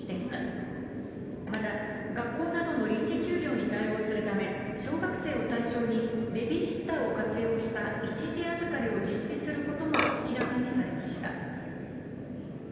また、学校などの臨時休業に対応するため、小学生を対象にベビーシッターを活用した、一時預かりを実施することも明らかにされました。